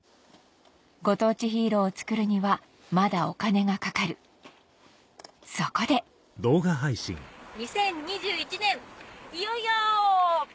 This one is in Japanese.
ご当地ヒーローをつくるにはまだお金がかかるそこで２０２１年いよいよ！